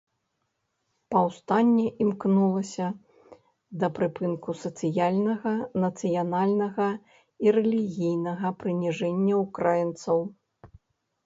Паўстанне імкнулася да прыпынку сацыяльнага, нацыянальнага, і рэлігійнага прыніжэння ўкраінцаў.